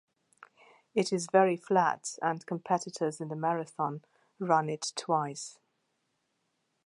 It is very flat, and competitors in the marathon run it twice.